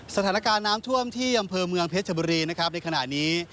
สถานการณ์น้ำท่วมที่อำเภอเมืองเพชรบุรีนะครับในขณะนี้